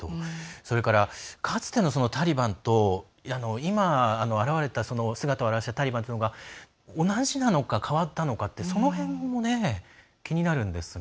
それから、かつてのタリバンと今、姿を現したタリバンというのが同じなのか変わったのかってその辺も気になるんですが。